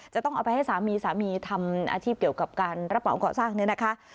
จะต้องเอาไปให้สามีสามีทำอาชีพเกี่ยวกับการรับเหมาก่อสร้างเนี่ยนะคะ